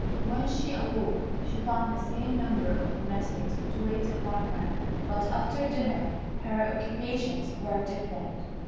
When she awoke, she found the same number of domestics to wait upon her; but after dinner her occupations were different.